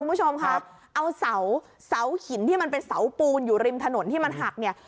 คุณผู้ชมครับเอาเสาหินที่มันเป็นเสาปูนอยู่ริมถนนที่มันหักเนี่ย